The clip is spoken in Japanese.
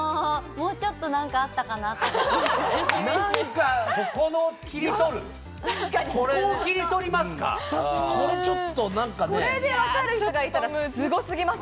もうちょっと何かあったかなと思います。